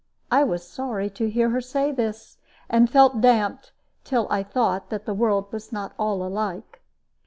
I was sorry to hear her say this, and felt damped, till I thought that the world was not all alike.